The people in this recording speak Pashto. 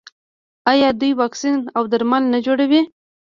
آیا دوی واکسین او درمل نه جوړوي؟